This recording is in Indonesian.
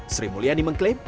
sri mulyani mengklaim